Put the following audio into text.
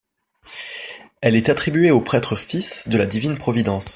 Elle est attribuée aux prêtres Fils de la divine providence.